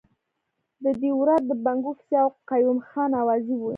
د دیراوت د بنګو کیسې او قیوم خان اوازې وې.